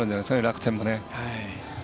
楽天もね。